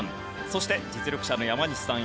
そして実力者の山西さん